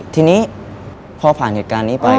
ทีนี้พอผ่านเหตุการณ์นี้ไป